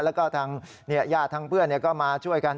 แล้วก็ทางญาติทางเพื่อนก็มาช่วยกัน